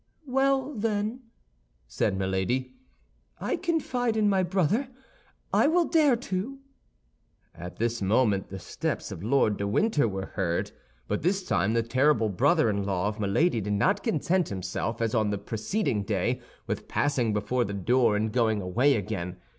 "Well, then," said Milady, "I confide in my brother; I will dare to—" At this moment the steps of Lord de Winter were heard; but this time the terrible brother in law of Milady did not content himself, as on the preceding day, with passing before the door and going away again.